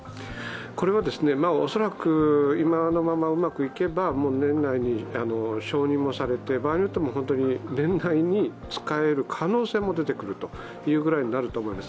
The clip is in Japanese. これはおそらく今のままうまくいけば、年内に承認もされて場合によっては年内に使える可能性も出てくるというぐらいになると思います。